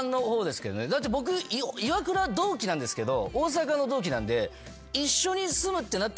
だって僕イワクラ同期なんですけど大阪の同期なんで。